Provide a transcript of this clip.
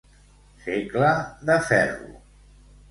Segle de ferro.